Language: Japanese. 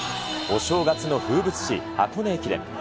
お正月の風物詩、箱根駅伝。